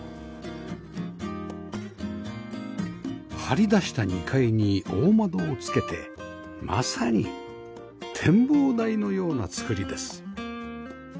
張り出した２階に大窓をつけてまさに展望台のような造りです